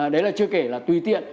đấy là chưa kể là tùy tiện